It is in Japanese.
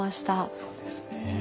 そうですね。